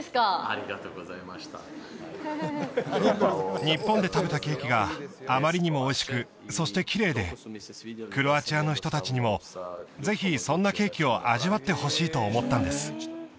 ありがとうございました日本で食べたケーキがあまりにもおいしくそしてきれいでクロアチアの人達にもぜひそんなケーキを味わってほしいと思ったんです